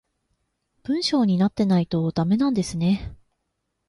文章になってないとダメなんですね